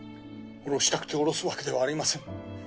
下ろしたくて下ろすわけではありません。